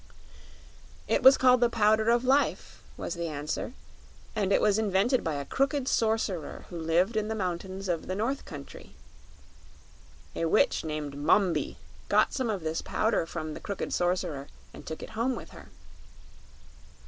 "It was called the Powder of Life," was the answer; "and it was invented by a crooked Sorcerer who lived in the mountains of the North Country. A Witch named Mombi got some of this powder from the crooked Sorcerer and took it home with her.